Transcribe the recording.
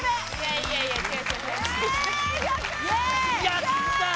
やったー！